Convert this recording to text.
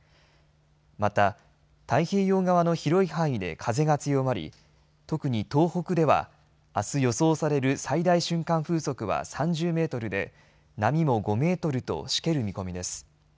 また、太平洋側の広い範囲で風が強まり特に東北ではあす予想される最大瞬間風速は３０メートルで波も５メートルとしける見込みです。